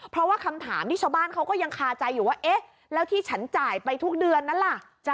เพราะว่าคำถามที่ชาวบ้านเขาก็ยังคาใจอยู่ว่าเอ๊ะแล้วที่ฉันจ่ายไปทุกเดือนนั้นล่ะ